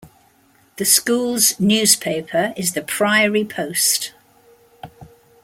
The school's newspaper is the "Priory Post".